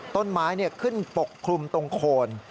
ต้นไม้ขึ้นปกคลุมตรงโคน